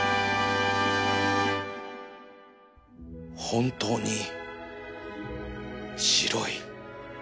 本当に白い。